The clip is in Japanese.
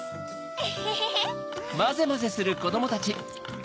エヘヘヘ。